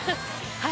はい。